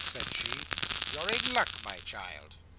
said she. "You're in luck, my child."